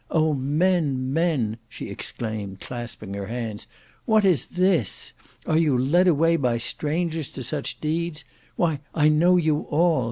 O, men, men!" she exclaimed, clasping her hands. "What is this? Are you led away by strangers to such deeds? Why, I know you all!